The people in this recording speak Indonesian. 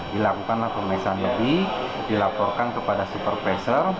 dilakukan pemesan lagi dilaporkan kepada supervisor